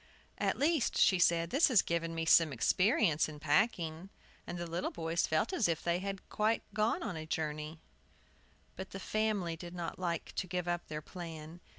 "At least," she said, "this has given me some experience in packing." And the little boys felt as if they had quite been a journey. But the family did not like to give up their plan.